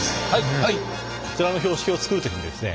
こちらの標識を作る時にですね